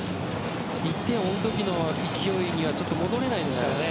１点を追う時の勢いにはちょっと戻れないですからね。